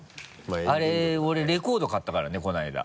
あれ俺レコード買ったからねこのあいだ。